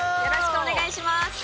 よろしくお願いします。